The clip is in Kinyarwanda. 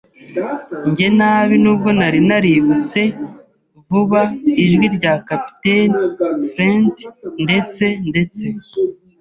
njye nabi, nubwo nari naributse vuba ijwi rya Kapiteni Flint ndetse ndetse